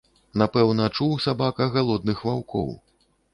Напэўна, чуў сабака галодных ваўкоў.